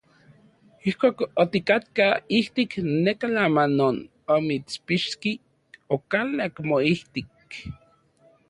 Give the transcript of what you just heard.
Ijkuak otikatka ijtik neka lama non omitspixki, okalak moijtik.